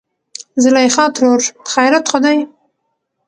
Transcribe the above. زليخاترور : خېرت خو دى.